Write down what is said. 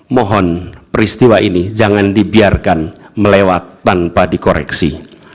mohon peristiwa ini jangan dibiarkan melewat tanpa dikoreksi